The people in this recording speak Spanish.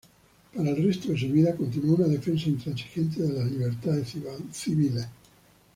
Para el resto de su vida continuó una defensa intransigente de las libertades civiles.